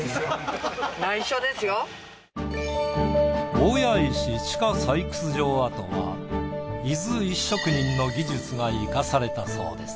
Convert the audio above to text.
大谷石地下採掘場跡は伊豆石職人の技術が活かされたそうです。